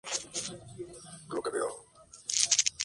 Federico Casimiro, comenzó la reconstrucción de su palacio residencial.